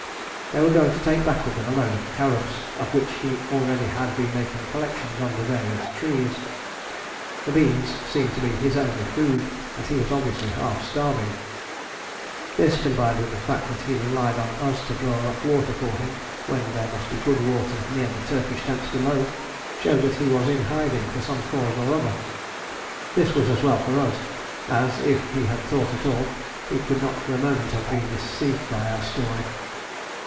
They were going to take back with them a load of carobs, of which he already had been making collections under various trees. The beans seemed to be his only food, and he was obviously half starving. This, combined with the fact that he relied on us to draw up water for him when there must be good water near the Turkish tents below, showed that he was in hiding for some cause or other. This was as well for us, as, if he had thought at all, he could not for a moment have been deceived by our story.